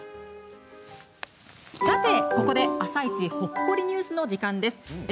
ここで「あさイチ」ほっこりニュースの時間です。